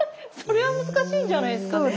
それは難しいんじゃないですか。